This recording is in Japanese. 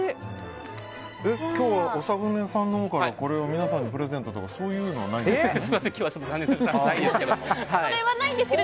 今日は長船さんのほうからこれを皆さんにプレゼントとかそういうのはないんですか？